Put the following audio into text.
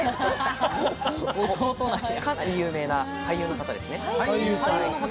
有名な俳優の方ですね。